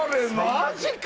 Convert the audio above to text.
マジか？